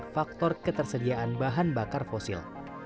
faktor ketersediaan bahan bakar fosil